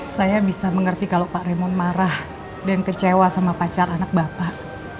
saya bisa mengerti kalau pak remon marah dan kecewa sama pacar anak bapak